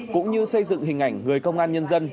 cũng như xây dựng hình ảnh người công an nhân dân